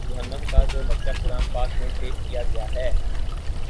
جہنم کا جو نقشہ قرآن پاک میں پیش کیا گیا ہے